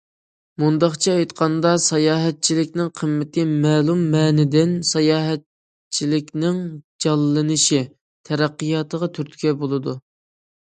مۇنداقچە ئېيتقاندا، ساياھەتچىلىكنىڭ قىممىتى مەلۇم مەنىدىن ساياھەتچىلىكنىڭ جانلىنىشى، تەرەققىياتىغا تۈرتكە بولىدۇ.